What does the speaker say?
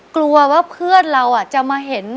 กลัวว่าเพื่อนเราจะมาเห็น